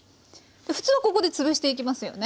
ふつうはここで潰していきますよね。